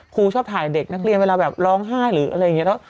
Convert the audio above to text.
ครูชอบถ่ายเด็กนักเรียนเวลาแบบร้องไห้หรืออะไรอย่างนี้